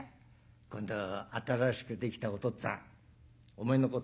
今度新しくできたおとっつぁんおめえのこと